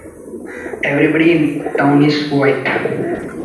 Everybody in town is white.